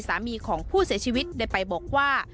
สามีของผู้เสียชีวิตได้ไปบอกว่า